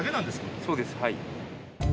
そうですはい。